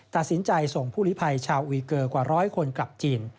ตัดสินใจส่งผู้ลิภัยชาวอุยเกอร์กว่าร้อยคนกลับจีน